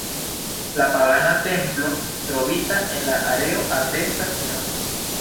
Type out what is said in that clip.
La pagana templo trovita en la areo atestas tion.